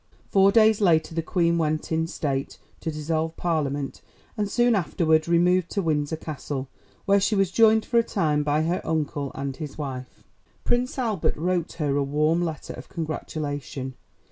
Four days later the Queen went in State to dissolve Parliament, and soon afterward removed to Windsor Castle, where she was joined for a time by her uncle and his wife. Prince Albert wrote her a warm letter of congratulation.